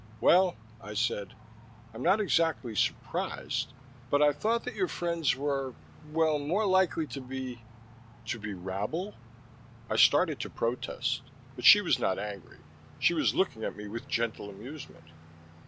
"Well," I said, "I'm not exactly surprised, but I thought that your friends were, well, more likely to be " "To be rabble?" I started to protest, but she was not angry. She was looking at me with gentle amusement.